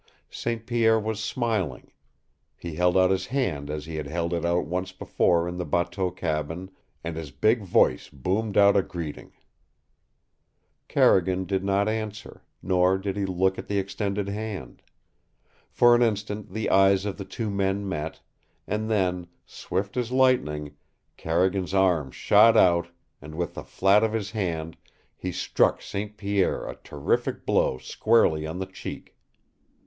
St. Pierre was smiling. He held out his hand as he had held it out once before in the bateau cabin, and his big voice boomed out a greeting. Carrigan did not answer, nor did he look at the extended hand. For an instant the eyes of the two men met, and then, swift as lightning, Carrigan's arm shot out, and with the flat of his hand he struck St. Pierre a terrific blow squarely on the cheek.